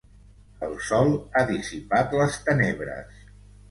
El sol ha dissipat les tenebres.